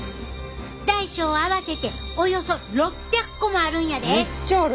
大小合わせておよそ６００個もあるんやで。